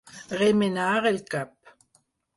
Remenar el cap.